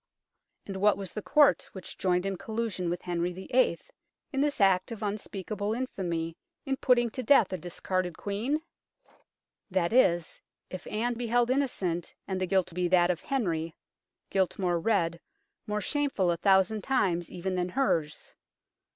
And what was the Court which joined in collusion with Henry VIII. in this act of un 158 UNKNOWN LONDON speakable infamy in putting to death a discarded Queen ? that is, if Anne be held innocent and the guilt be that of Henry, guilt more red, more shameful a thousand times even than hers.